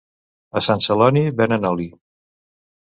A Sant Celoni venen oli.